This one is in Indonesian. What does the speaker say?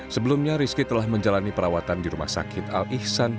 sebelumnya rizky telah menjalani perawatan di rumah sakit al ihsan